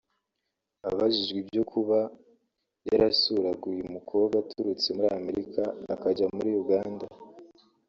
Abajijwe ibyo kuba yarasuuraga uyu mukobwa aturutse muri Amerika akajya muri Uganda